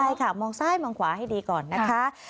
ใช่ค่ะมองซ้ายมองขวาให้ดีก่อนนะคะ